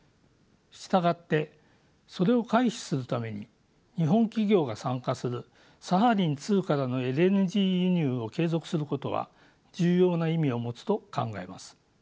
従ってそれを回避するために日本企業が参加するサハリン２からのＬＮＧ輸入を継続することは重要な意味を持つと考えます。